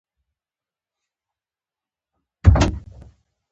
د استعمار د قواوو په مقابل کې.